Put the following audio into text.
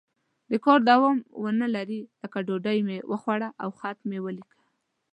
د کار دوام ونه لري لکه ډوډۍ مې وخوړه او خط مې ولیکه.